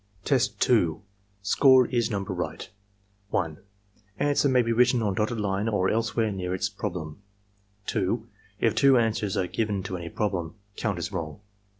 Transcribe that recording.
Testa (Score is number right.) 1. Answer may be written on dotted line or elsewhere near its problem. 68 ARMY MENTAL TESTS 2. If two answers are given to any problem, count as wrong.